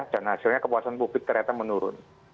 dan hasilnya kepuasan publik ternyata menurun